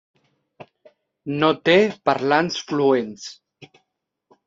No té parlants fluents.